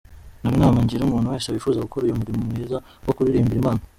Dore inama ngira umuntu wese wifuza gukora uyu murimo mwiza wo kuririmbira Imana.